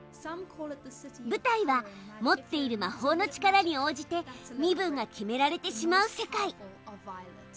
ぶたいは持っているま法の力に応じて身分が決められてしまう世界。